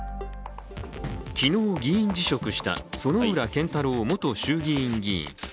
昨日、議員辞職した薗浦健太郎元衆議院議員。